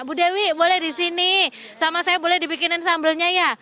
bu dewi boleh di sini sama saya boleh dibikinin sambelnya ya